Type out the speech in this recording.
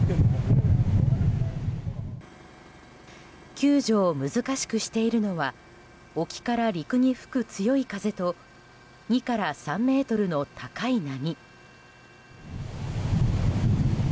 救助を難しくしているのは沖から陸に吹く強い風と２から３ｍの高い波。